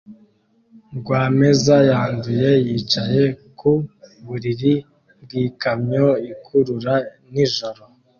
RWAMEZA yanduye yicaye ku buriri bwikamyo ikurura nijoro